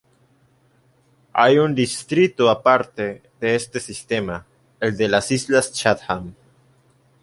Hay un distrito aparte de este sistema, el de las Islas Chatham.